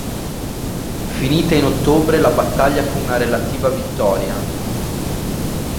Finita in ottobre, la battaglia fu una relativa vittoria.